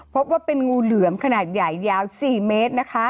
พบว่าเป็นงูเหลือมขนาดใหญ่ยาว๔เมตรนะคะ